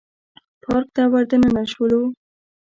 پارک ته ور دننه شولو.